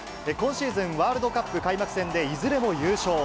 今シーズン、ワールドカップ開幕戦で、いずれも優勝。